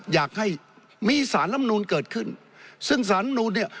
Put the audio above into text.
อยากให้มีสารลำนูนเกิดขึ้นซึ่งสารลำนูนเนี่ย